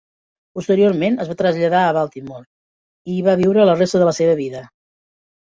Posteriorment es va traslladar a Baltimore i hi va viure la resta de la seva vida.